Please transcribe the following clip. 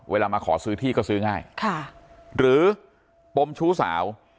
เวลามาขอซื้อที่ก็ซื้อง่ายหรือปมชู้สาว